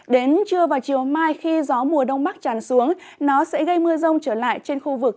đến trưa và chiều mai khi gió mùa đông bắc tràn xuống nó sẽ gây mưa rông trở lại trên khu vực